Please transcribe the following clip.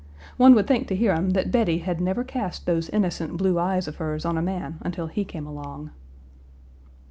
One would think to hear him that Bettie had never cast those innocent blue eyes of hers on a man until he came along.